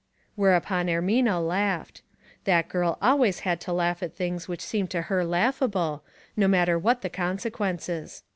Whereupon Ermina laughed. That girl al ways had to laugh at things which seemed to her laughable, no matter what the consequences.